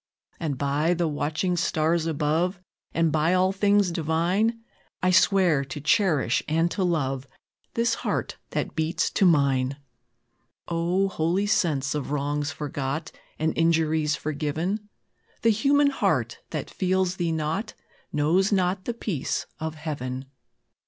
And, by the watching stars above, And by all things divine, I swear to cherish and to love This heart that beats to mine!" O, holy sense of wrongs forgot, And injuries forgiven! The human heart that feels thee not, Knows not the peace of Heaven.